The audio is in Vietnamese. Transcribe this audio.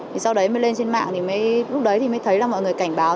thì sau đấy mới lên trên mạng thì mới lúc đấy thì mới thấy là mọi người cảnh báo